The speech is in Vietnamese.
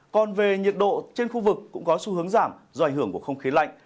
còn về nhiệt độ trên khu vực cũng có xu hướng giảm do ảnh hưởng của không khí lạnh